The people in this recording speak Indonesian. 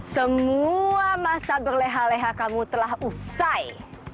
semua masa berleha leha kamu telah usai